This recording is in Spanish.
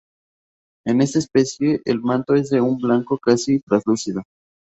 En esta especie, el manto es de un blanco casi traslúcido.